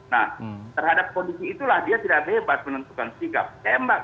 nah terhadap kondisi itulah dia tidak bebas menentukan sikap tembak